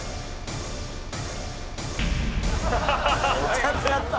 ちゃんとやった。